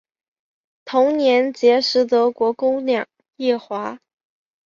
同年结识德国姑娘叶华。